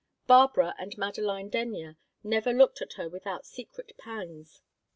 Barbara and Madeline Denyer never looked at her without secret pangs.